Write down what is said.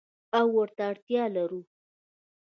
او ورته اړتیا لرو.